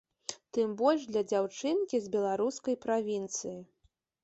Тым больш для дзяўчынкі з беларускай правінцыі.